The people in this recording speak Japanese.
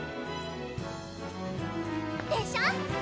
でしょ？